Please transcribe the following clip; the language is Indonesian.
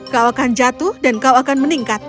kau akan jatuh dan kau akan meningkat